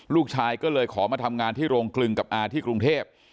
ลูกชายก็เลยขอมาทำงานที่โรงคลึงกับอาที่กรุงเทพ